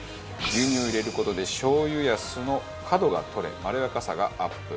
牛乳を入れる事でしょう油や酢の角が取れまろやかさがアップ。